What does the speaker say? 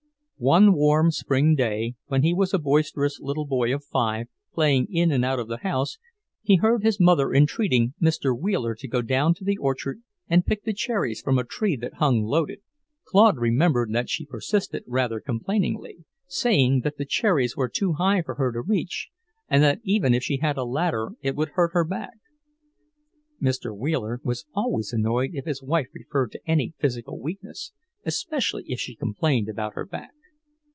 One warm spring day, when he was a boisterous little boy of five, playing in and out of the house, he heard his mother entreating Mr. Wheeler to go down to the orchard and pick the cherries from a tree that hung loaded. Claude remembered that she persisted rather complainingly, saying that the cherries were too high for her to reach, and that even if she had a ladder it would hurt her back. Mr. Wheeler was always annoyed if his wife referred to any physical weakness, especially if she complained about her back.